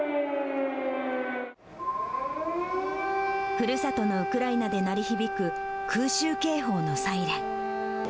ふるさとのウクライナで鳴り響く空襲警報のサイレン。